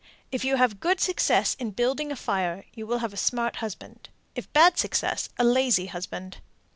If you have good success in building a fire, you will have a smart husband; if bad success, a lazy husband.